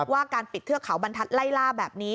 ว่าการปิดเทือกเขาบรรทัศน์ไล่ล่าแบบนี้